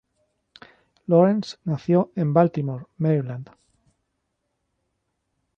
Lawrence nació en Baltimore, Maryland.